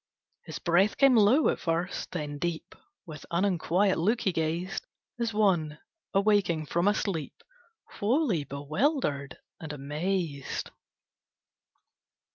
His breath came low at first, then deep, With an unquiet look he gazed, As one awaking from a sleep Wholly bewildered and amazed.